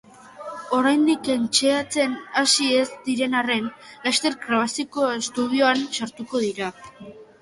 Oraindik entseatzen hasi ez diren arren, laster grabazio estudioan sartuko dira.